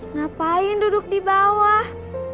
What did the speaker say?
ngapain duduk di bawah